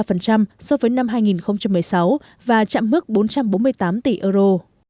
số liệu của năm hai nghìn một mươi bảy xuất khẩu của italia tăng bảy ba so với năm hai nghìn một mươi sáu và chạm mức bốn trăm bốn mươi tám tỷ euro